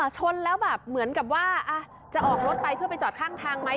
ชนแล้วแบบเหมือนกับว่าจะออกรถไปเพื่อไปจอดข้างทางไหม